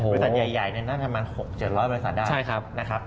บริษัทใหญ่น่าจะประมาณ๗๐๐บริษัทได้